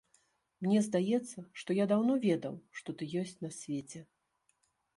Мне здаецца, што я даўно ведаў, што ты ёсць на свеце.